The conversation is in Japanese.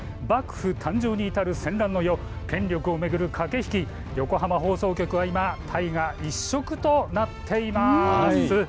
幕府誕生に至る戦乱の世、権力を巡る駆け引き、横浜放送局は今、大河一色となっています。